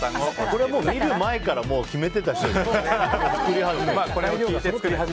それは見る前から決めてたでしょ。